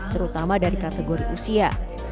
terutama dari kategori usia